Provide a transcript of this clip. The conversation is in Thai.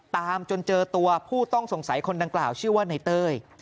ตามจนเจอตัวผู้ต้องสงสัยคนดังกล่าวชื่อว่าในเต้ย